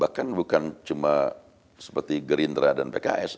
bahkan bukan cuma seperti gerindra dan pks